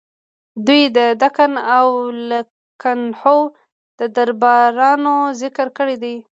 دوی د دکن او لکنهو د دربارونو ذکر کړی دی.